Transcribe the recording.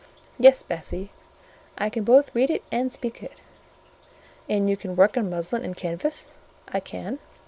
"Yes, Bessie, I can both read it and speak it." "And you can work on muslin and canvas?" "I can."